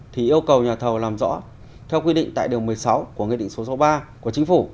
thì yêu cầu nhà thầu làm rõ theo quy định tại đường một mươi sáu của nghị định số ba của chính phủ